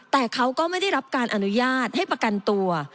แต่เขาก็ไม่ได้รับการอนุญาตให้ประกันตัว